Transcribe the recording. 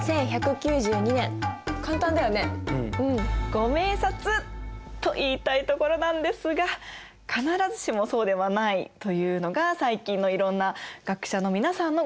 ご明察！と言いたいところなんですが必ずしもそうではないというのが最近のいろんな学者の皆さんのご意見らしいですね。